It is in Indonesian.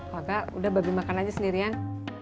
kagak udah babi makan aja sendirian